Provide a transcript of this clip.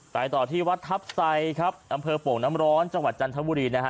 ต่อที่วัดทัพไซครับอำเภอโป่งน้ำร้อนจังหวัดจันทบุรีนะฮะ